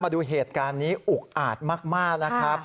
มาดูเหตุการณ์นี้อุกอาจมากนะครับ